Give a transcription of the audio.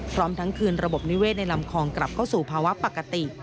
พร้อมทั้งคืนระบบนิเวศในลำคลองกลับเข้าสู่ภาวะปกติ